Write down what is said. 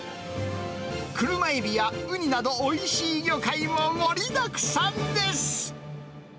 クルマエビやウニなど、おいしい魚介も盛りだくさんです。